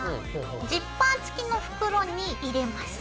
ジッパー付きの袋に入れます。